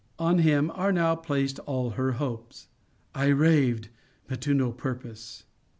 On him are now placed all her hopes. I raved; but to no purpose.